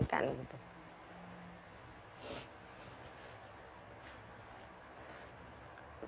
itu yang selalu saya yakin